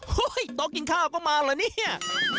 หุ้ยโต๊ะกินข้าก็มาแล้วเนี่ย